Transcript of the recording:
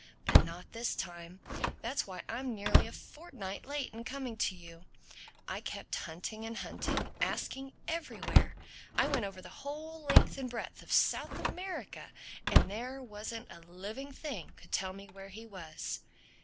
But not this time. That's why I'm nearly a fortnight late in coming to you: I kept hunting and hunting, asking everywhere. I went over the whole length and breadth of South America. But there wasn't a living thing could tell me where he was."